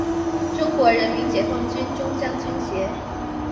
中国人民解放军中将军衔。